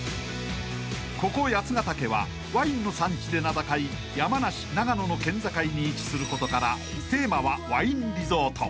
［ここ八ヶ岳はワインの産地で名高い山梨長野の県境に位置することからテーマは］